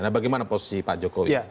nah bagaimana posisi pak jokowi